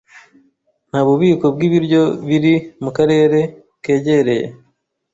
Nta bubiko bwibiryo biri mukarere kegereye